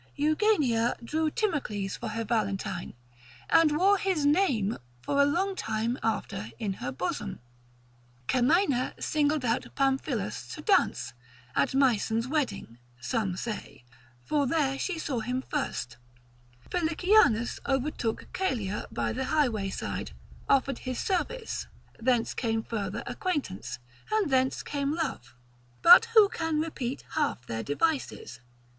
Eugenia drew Timocles for her valentine, and wore his name a long time after in her bosom: Camaena singled out Pamphilus to dance, at Myson's wedding (some say), for there she saw him first; Felicianus overtook Caelia by the highway side, offered his service, thence came further acquaintance, and thence came love. But who can repeat half their devices?